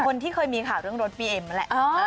คนที่เคยมีข่าวเรื่องรถบีเอ็มนั่นแหละ